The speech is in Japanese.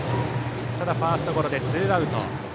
ただ、ファーストゴロでツーアウト。